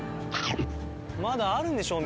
まだあるんでしょお店。